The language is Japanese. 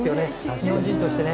日本人としてね。